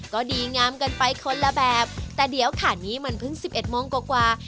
ก็ดีงามกันไปคนละแบบแต่เดี๋ยวค่ะนี้มันเพิ่ง๑๑โมงกว่า